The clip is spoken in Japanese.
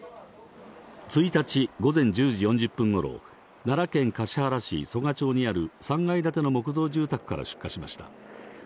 １日午前１０時４０分頃、奈良県橿原市曽我町にある３階建ての木造住宅から出火しました。